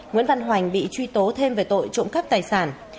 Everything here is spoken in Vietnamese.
nguyễn văn hoành bị truy tố thêm về tội trộm cắp tài sản